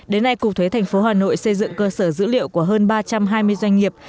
đến nay cục thuế tp hà nội xây dựng cơ sở dữ liệu của hơn ba trăm hai mươi doanh nghiệp